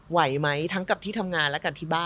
ไหวไหมทั้งกับที่ทำงานและกันที่บ้าน